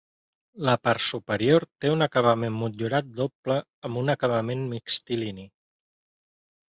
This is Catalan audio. La part superior té un acabament motllurat doble amb un acabament mixtilini.